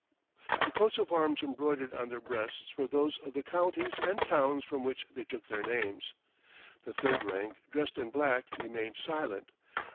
The coats of arms embroidered on their breasts were those of the counties and towns from which they took their names. The third rank, dressed in black, remained silent.